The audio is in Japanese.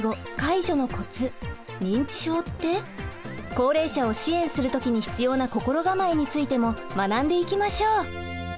高齢者を支援する時に必要な心構えについても学んでいきましょう。